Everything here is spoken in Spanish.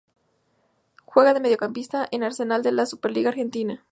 Juega de mediocampista en Arsenal de la Superliga Argentina.